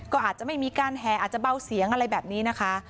ก็อาจจะไม่มีการแห่อาจจะเบาเสียงอะไรแบบนี้นะคะ